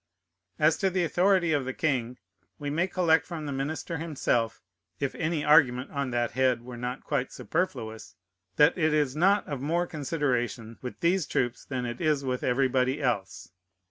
As to the authority of the king, we may collect from the minister himself (if any argument on that head were not quite superfluous) that it is not of more consideration with these troops than it is with everybody else.